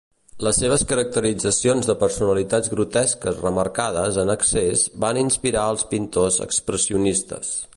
Les seves caracteritzacions de personalitats grotesques remarcades en excés van inspirar als pintors expressionistes.